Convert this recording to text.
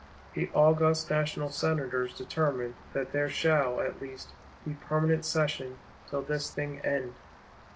The august National Senators determine that there shall, at least, be Permanent Session till this thing end.